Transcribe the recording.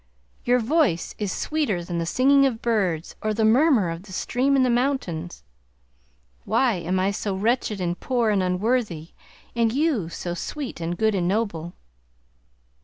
Your voice is sweeter than the singing of birds or the murmur of the stream in the mountains. Why am I so wretched and poor and unworthy, and you so sweet and good and noble?